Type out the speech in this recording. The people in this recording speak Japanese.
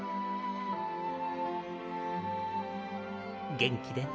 元気でね